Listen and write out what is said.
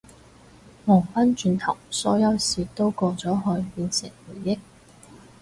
望返轉頭，所有事都過咗去變成回憶